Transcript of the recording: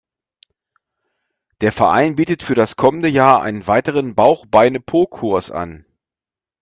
Der Verein bietet für das kommende Jahr einen weiteren Bauch-Beine-Po-Kurs an.